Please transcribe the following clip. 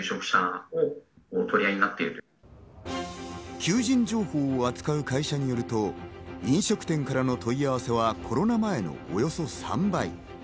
求人情報を扱う会社によると、飲食店からの問い合わせはコロナ前のおよそ３倍。